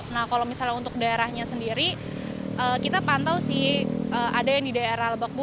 nah kalau misalnya untuk daerahnya sendiri kita pantau sih ada yang di daerah lebok bu